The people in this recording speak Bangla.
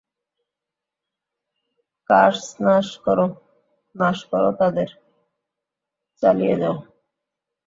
কার্স নাশ করো, নাশ করো তাদের, চালিয়ো যাও!